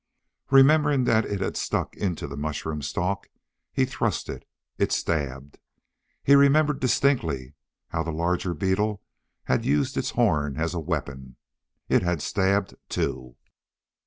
Remembering that it had stuck into the mushroom stalk, he thrust it. It stabbed. He remembered distinctly how the larger beetle had used its horn as a weapon. It had stabbed, too.